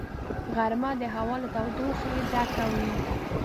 غرمه د هوا له تودوخې ډکه وي